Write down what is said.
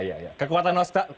kami tidak ikut itu di sana